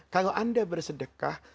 kalau anda bersedekah